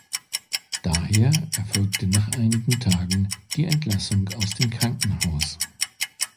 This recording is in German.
Daher erfolgte nach einigen Tagen die Entlassung aus dem Krankenhaus.